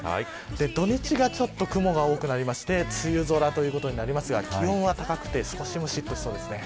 土日がちょっと雲が多くなりまして梅雨空ということになりますが気温は高くて少しむしっとしそうです。